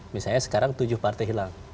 misalnya sekarang tujuh partai hilang